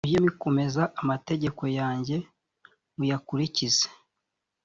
mujye mukomeza amategeko yanjye muyakurikize